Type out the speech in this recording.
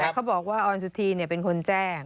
เขาบอกว่าออนสุธีเป็นคนแจ้ง